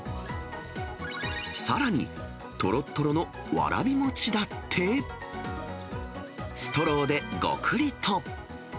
さらに、とろとろのわらび餅だって、ストローでごくりと。